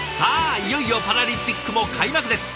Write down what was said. いよいよパラリンピックも開幕です。